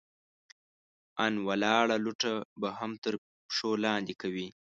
ان ولاړه لوټه به هم تر پښو لاندې کوئ!